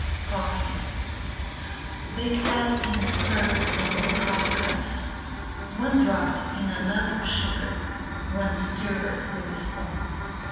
Coffee They sat in a circle with their coffee cups. One dropped in a lump of sugar, One stirred with a spoon.